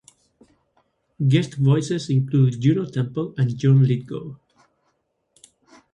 Guest voices include Juno Temple and John Lithgow.